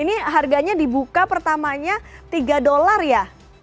ini harganya dibuka pertamanya tiga dolar ya